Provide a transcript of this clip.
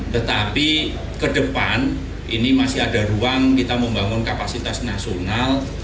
tetapi ke depan ini masih ada ruang kita membangun kapasitas nasional